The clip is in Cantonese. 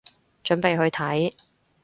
準備去睇